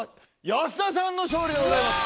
安田さんの勝利でございます。